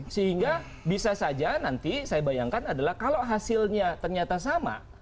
sehingga bisa saja nanti saya bayangkan adalah kalau hasilnya ternyata sama